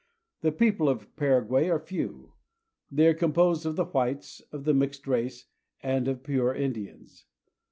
The people of Paraguay are few. They are composed of the whites, of the mixed race, and of pure Indians.